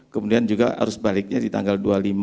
kemudian juga harus baliknya di tanggal dua puluh lima